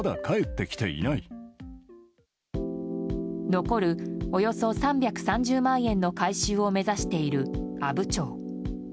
残る、およそ３３０万円の回収を目指している阿武町。